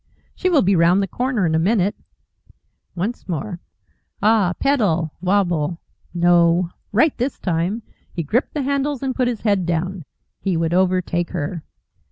She will be round the corner in a minute. Once more. Ah! Pedal! Wabble! No! Right this time! He gripped the handles and put his head down. He would overtake her.